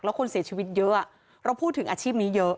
แล้วคนเสียชีวิตเยอะเราพูดถึงอาชีพนี้เยอะ